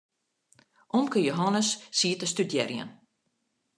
Omke Jehannes siet te studearjen.